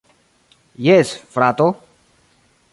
Jes, frato.